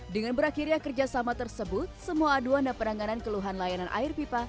dengan berakhirnya kerjasama tersebut semua aduan dan penanganan keluhan layanan air pipa